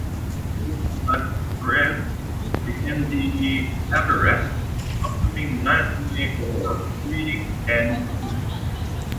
The Poor Alex Theatre began the Cabaret, welcoming nightly or week end performances.